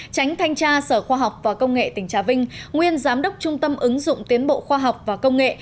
tránh thanh tra sở khoa học và công nghệ tỉnh trà vinh nguyên giám đốc trung tâm ứng dụng tiến bộ khoa học và công nghệ